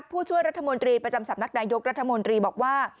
ผู้ช่วยรัฐมนตรีประจำสำนักนายกรัฐมนตรีบอกว่า